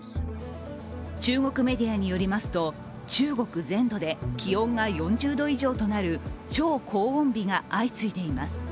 中国メディアによりますと、中国全土で気温が４０度以上となる超高温日が相次いでいます。